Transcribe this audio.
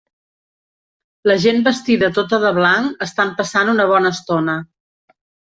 La gent vestida tota de blanc estan passant una bona estona.